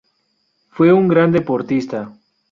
Fue un gran deportista.